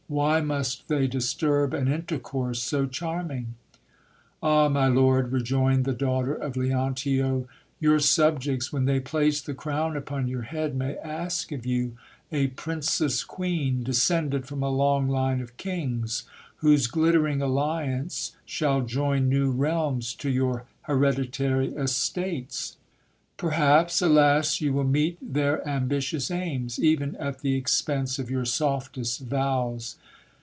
Why must they disturb an intercourse so charming ? Ah ! my lord, rejoined the daughter of Leontio, your subjects, when they place the crown upon your head, may ask of you a princess queen, descended from a long line of kings, whose glittering alliance shall join new realms to your hereditary estates. Perhaps, alas ! you will meet their ambitious aims, even at the expense of your softest vows.